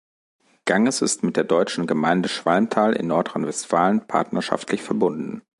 Ganges ist mit der deutschen Gemeinde Schwalmtal in Nordrhein-Westfalen partnerschaftlich verbunden.